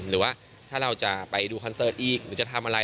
หรือว่าถ้าเราจะไปดูคอนเสิร์ตอีกหรือจะทำอะไร